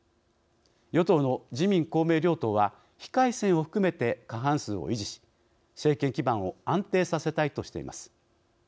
与党の自民・公明両党は非改選を含めて過半数を維持し政権基盤を安定させたいとしています。